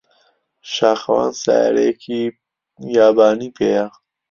شاخەوان سەیارەیەکی یابانی پێیە.